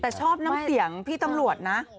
แต่ชอบน้ำเสียงพี่ตำรวจนะ